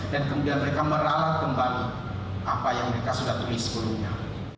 dan kemudian mereka meralat kembali apa yang mereka sudah tulis sebelumnya